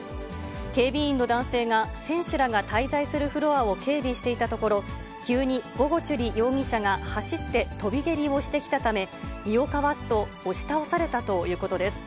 警備員の男性が選手らが滞在するフロアを警備していたところ、急にゴゴチュリ容疑者が走って飛び蹴りをしてきたため、身をかわすと、押し倒されたということです。